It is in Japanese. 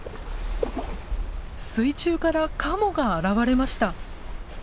水中からカモが現れました。